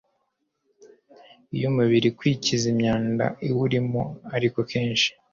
y’umubiri kwikiza imyanda iwurimo. Ariko akenshi